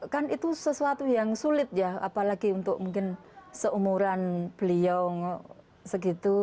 kan itu sesuatu yang sulit ya apalagi untuk mungkin seumuran beliau segitu